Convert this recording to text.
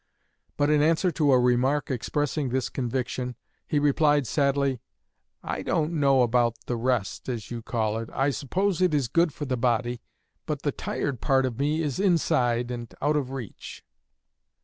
But in answer to a remark expressing this conviction, he replied sadly, "I don't know about 'the rest' as you call it. I suppose it is good for the body. But the tired part of me is inside and out of reach."